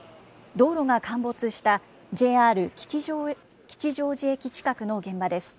道路が陥没したＪＲ吉祥寺駅近くの現場です。